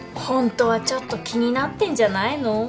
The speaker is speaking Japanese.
ホントはちょっと気になってんじゃないの？